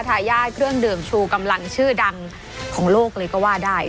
ทายาทเครื่องดื่มชูกำลังชื่อดังของโลกเลยก็ว่าได้